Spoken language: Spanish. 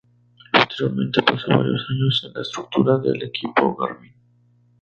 Posteriormente pasó varios años en la estructura del equipo Garmin.